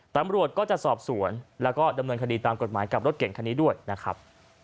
ตำรวจก็จะสอบสวนแล้วก็ดำเนินคดีตามกฎหมายกับรถเก่งคันนี้ด้วยนะครับ